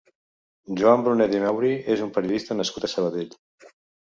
Joan Brunet i Mauri és un periodista nascut a Sabadell.